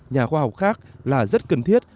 nhà khoa học khác là rất cần thiết